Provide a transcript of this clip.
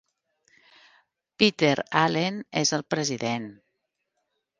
Peter Allen és el president.